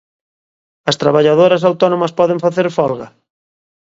As traballadoras autónomas poden facer folga?